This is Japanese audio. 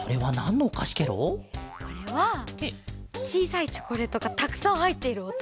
これはちいさいチョコレートがたくさんはいっているおと。